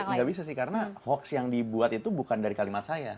nggak bisa sih karena hoax yang dibuat itu bukan dari kalimat saya